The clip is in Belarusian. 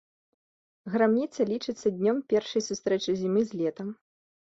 Грамніцы лічацца днём першай сустрэчы зімы з летам.